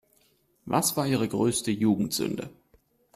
Was war Ihre größte Jugendsünde?